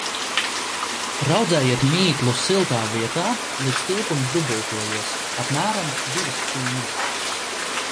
Raudzējiet mīklu siltā vietā, līdz tilpums dubultojies – apmēram divas stundas.